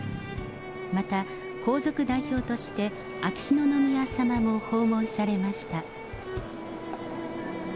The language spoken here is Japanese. また、皇族代表として、秋篠宮さまも訪問されました。